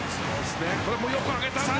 これもよく上げたな。